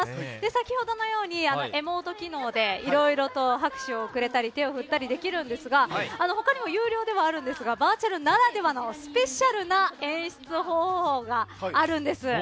先ほどのようにエモート機能で色々と拍手を送れたり手を振ったりできるんですが他にも有料ではあるんですがバーチャルならではのスペシャルな演出方法があるんです。